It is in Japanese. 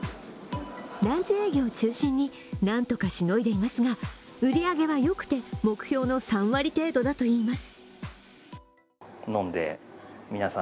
ランチ営業を中心になんとかしのいでいますが売り上げはよくて目標の３割程度だといいます。